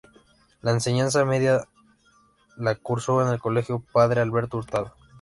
La enseñanza media la cursó en el Colegio Padre Alberto Hurtado.